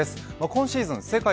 今シーズン世界